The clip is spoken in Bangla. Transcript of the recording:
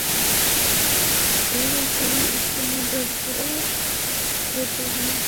এইরকমই একটা মেয়ে দরকার সারোগেটের জন্য।